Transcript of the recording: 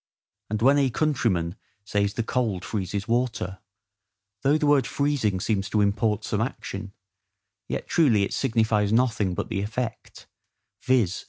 And when a countryman says the cold freezes water, though the word freezing seems to import some action, yet truly it signifies nothing but the effect, viz.